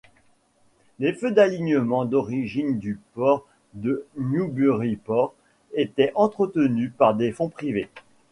Les feux d’alignement d’origine du port de Newburyport étaient entretenus par des fonds privés.